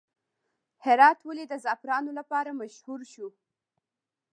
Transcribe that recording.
هرات ولې د زعفرانو لپاره مشهور شو؟